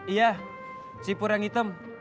iya si pur yang item